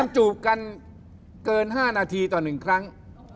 จูบกันเกิน๕นาทีต่อ๑ครั้ง